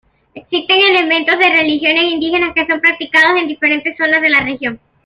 Existen elementos de religiones indígenas que son practicados en diferentes zonas de la región.